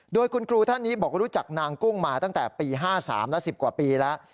โดยคุณครูท่านนี้บอกว่ารู้จักนางกุ้งมาตั้งแต่ปี๕๓และ๑๐กว่าปีแล้ว